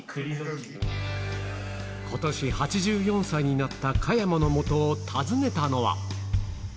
ことし８４歳になった加山のもとを訪ねたのは。